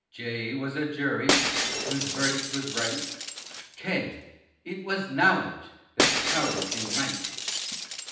P. J was a Jury, whose verdict was right. K it was Knowledge, that's power and might.